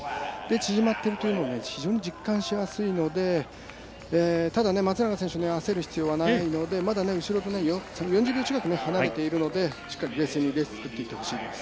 縮まっているというのを非常に実感しやすいのでただね、松永選手焦る必要はないので、まだ後ろと４０秒近く離れているので、しっかりレースを冷静に作っていってほしいです。